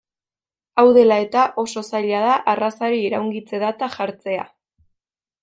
Hau dela eta, oso zaila da arrazari iraungitze data jartzea.